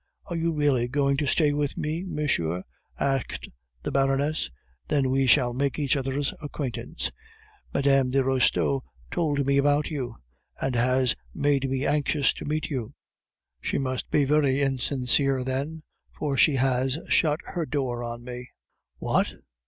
"Are you really going to stay with me, monsieur?" asked the Baroness. "Then we shall make each other's acquaintance. Mme. de Restaud told me about you, and has made me anxious to meet you." "She must be very insincere, then, for she has shut her door on me." "What?"